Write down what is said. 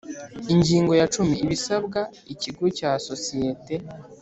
Ingingo ya cumi Ibisabwa ikigo cyangwa sosiyete